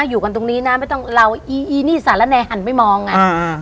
อยู่กันตรงนี้นะไม่ต้องเราอีอีนี่สาระแนหันไปมองไงอ่า